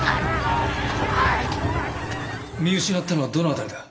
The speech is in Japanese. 見失ったのはどの辺りだ？